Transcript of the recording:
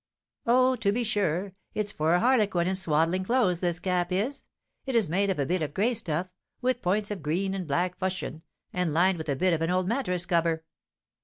"Oh, to be sure! It's for a harlequin in swaddling clothes this cap is! It is made of a bit of gray stuff, with points of green and black fustian, and lined with a bit of an old mattress cover."